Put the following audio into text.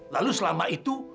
lalu selama itu